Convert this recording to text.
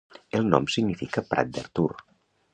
El nom significa "prat d'Artur".